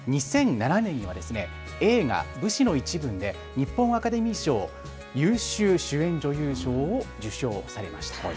２００７年には映画、武士の一分で日本アカデミー賞優秀主演女優賞を受賞されました。